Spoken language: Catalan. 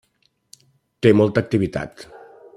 Té molta activitat.